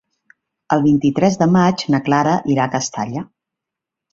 El vint-i-tres de maig na Clara irà a Castalla.